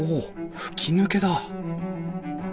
吹き抜けだ。